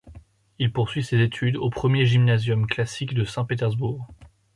Il poursuit ses études au Premier gymnasium classique de Saint-Pétersbourg.